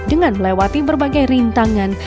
dengan melewati berbagai rintangan